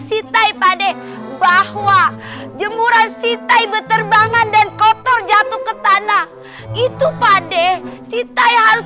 sitai pade bahwa jemuran sitai beterbangan dan kotor jatuh ke tanah itu pade sitai harus